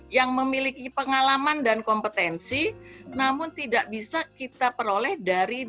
yang memiliki pengalaman dan kompetensi namun tidak bisa kita peroleh dari